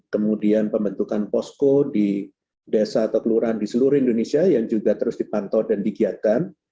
kemudian pembentukan posko di desa atau kelurahan di seluruh indonesia yang juga terus dipantau dan digiatkan